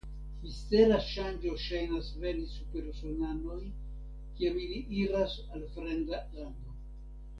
Mistera ŝanĝo ŝajnas veni super usonanoj kiam ili iras al fremda lando.